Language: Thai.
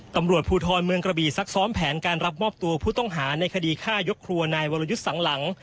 ตำรวจภูทรเมืองกระบีซักซ้อมแผนการรับมอบตัวผู้ต้องหาในคดีฆ่ายกครัวนายวรยุทธ์สังหลัง